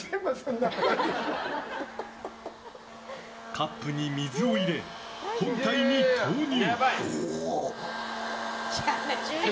カップに水を入れ本体に投入。